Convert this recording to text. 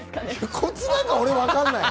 コツなんか俺はわかんないよ。